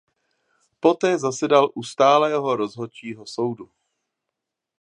Poté zasedal u Stálého rozhodčího soudu.